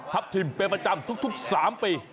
ถิ่นเป็นประจำทุก๓ปี